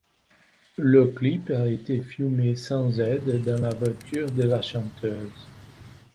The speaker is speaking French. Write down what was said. Le clip a été filmé sans aide, dans la voiture de la chanteuse.